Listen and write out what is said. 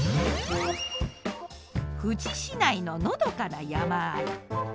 富士市内ののどかな山あい。